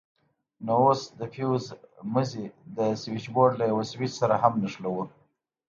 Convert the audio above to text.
نو اوس د فيوز مزي د سوېچبورډ له يوه سوېچ سره هم نښلوو.